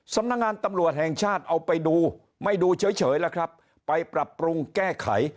สำนักงานตำรวจแห่งชาติเอาไปดูไม่ดูเฉยแล้วครับไปปรับปรุงแก้ไข